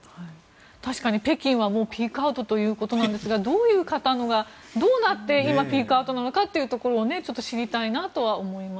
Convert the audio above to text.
確かに北京はもうピークアウトということなんですがどういう方がどうなって今、ピークアウトなのかをちょっと知りたいなとは思います。